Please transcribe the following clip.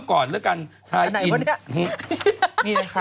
อ๋อช่องการแก้วพูดได้